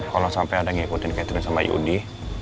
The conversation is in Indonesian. kalau sampai ada yang ikutin catherine sama yudi